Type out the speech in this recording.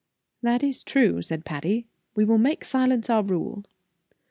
"That is true," said Patty; "we will make silence our rule."